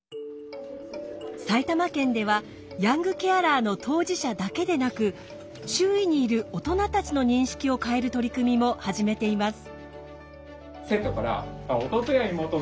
埼玉県ではヤングケアラーの当事者だけでなく周囲にいる大人たちの認識を変える取り組みも始めています。